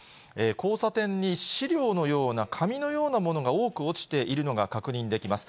交差点に資料のような、紙のようなものが多く落ちているのが確認できます。